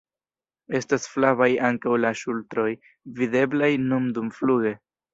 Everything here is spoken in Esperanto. Estas flavaj ankaŭ la ŝultroj, videblaj nun dumfluge.